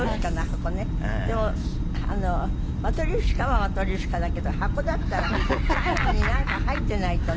でもマトリョーシカはマトリョーシカだけど箱だったら最後に何か入ってないとね？